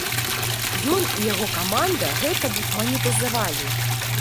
Ён і яго каманда гэта б манетызавалі.